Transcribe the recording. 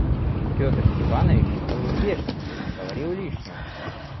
Петр Степанович был в бешенстве и наговорил лишнего.